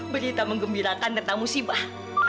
berita menggembirakan tentang musibah